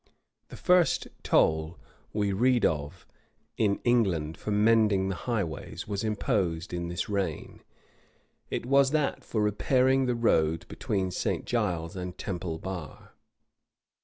The first toll we read of in England for mending the highways, was imposed in this reign: it was that for repairing the road between St. Giles's and Temple Bar.